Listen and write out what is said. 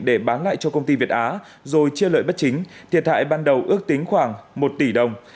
để bán lại cho công ty việt á rồi chia lợi bất chính thiệt hại ban đầu ước tính khoảng một tỷ đồng